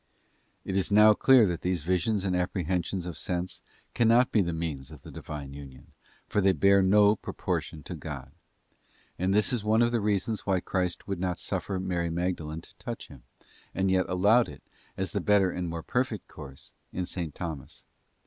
; It is now clear that these visions and apprehensions of __ sense cannot be the means of the Divine union, for they bear no proportion to God. And this is one of the reasons why _ Christ would not suffer Mary Magdalene to touch Him, and : yet allowed it, as the better and more perfect course, in _§. Thomas.